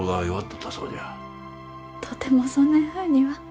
とてもそねんふうには。